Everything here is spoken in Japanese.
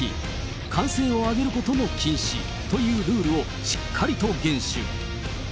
歓声を上げることも禁止というルールをしっかりと厳守。